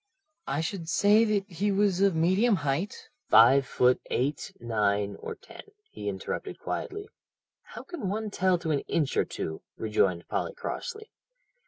"I should say that he was of medium height " "Five foot eight, nine, or ten?" he interrupted quietly. "How can one tell to an inch or two?" rejoined Polly crossly.